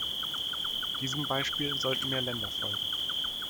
Diesem Beispiel sollten mehr Länder folgen.